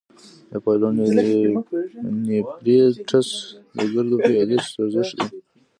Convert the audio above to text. د پايلونیفریټس د ګردو پیالې سوزش دی.